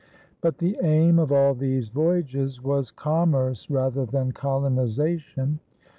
But the aim of all these voyages was commerce rather than colonization.